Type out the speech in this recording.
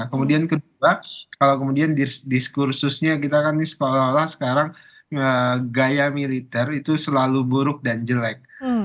kemudian kedua kalau kemudian diskursusnya kita kan ini seolah olah sekarang gaya militer itu selalu buruk dan jelek